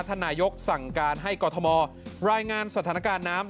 นายกสั่งการให้กรทมรายงานสถานการณ์น้ำ